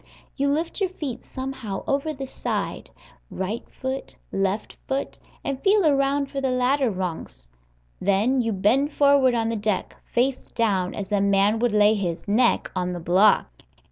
You lift your feet somehow over the side, right foot, left foot, and feel around for the ladder rungs. Then you bend forward on the deck, face down, as a man would lay his neck on the block.